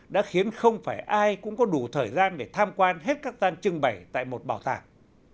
đã khiến không phải ai cũng có đủ thời gian để tham quan hết các gian trưng bày tại một bảo tàng